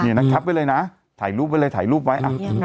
นี่นะครับแคปไว้เลยนะถ่ายรูปไว้เลยถ่ายรูปไว้